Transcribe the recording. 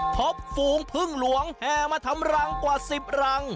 ฝูงพึ่งหลวงแห่มาทำรังกว่า๑๐รัง